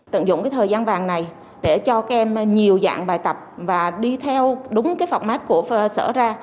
tận dụng thời gian vàng này để cho các em nhiều dạng bài tập và đi theo đúng phòng mắt của sở ra